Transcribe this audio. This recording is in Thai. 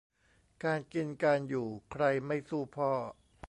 การกินการอยู่ ใครไม่สู้พ่อ